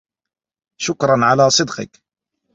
شكرا على صدقك.